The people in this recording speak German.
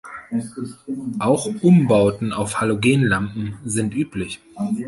Auch Umbauten auf Halogenlampen sind üblich.